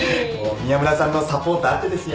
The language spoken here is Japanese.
宮村さんのサポートあってですよ。